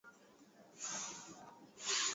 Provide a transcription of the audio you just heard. Aliamua kupumzika wikendi